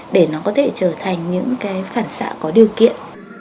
để nó có thể trở thành những cái phản xạ có điều kiện